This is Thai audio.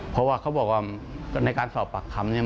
เพราะว่าเขาบอกว่าในการสอบปากคำเนี่ย